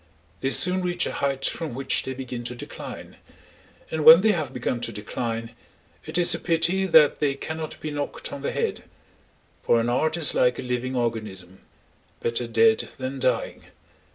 They soon reach a height from which they begin to decline, and when they have begun to decline it is a pity that they cannot be knocked on the head; for an art is like a living organism—better dead than dying.